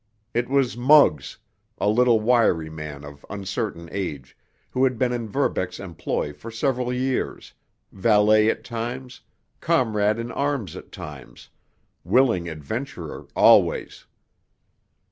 It was Muggs—a little, wiry man of uncertain age, who had been in Verbeck's employ for several years, valet at times, comrade in arms at times, willing adventurer always.